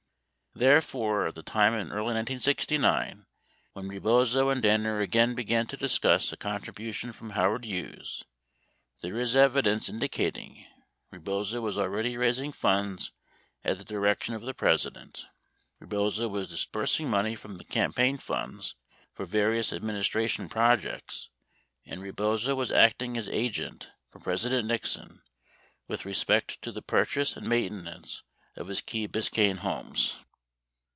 17 Therefore, at the time in early 1969 when Rebozo and Danner again began to discuss a contribution from Howard Hughes, there is evi dence indicating : Rebozo was already raising funds at the direction of the President ; Rebozo was disbursing money from campaign funds for various administration projects; and Rebozo was acting as agent for President Nixon with respect to the purchase and maintenance of his Key Biscayne homes.